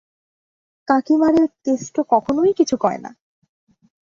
কাকীমারে কেষ্ট কখনোই কিছু কয়না।